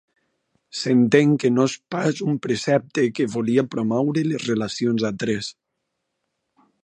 S'entén que no és pas un precepte que volia promoure les relacions a tres.